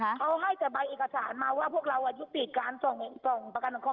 เขาให้แต่ใบเอกสารมาว่าพวกเรายุติการส่งประกันสังคม